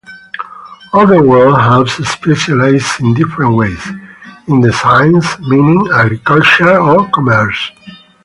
Other worlds have specialized in different ways, in the sciences, mining, agriculture or commerce.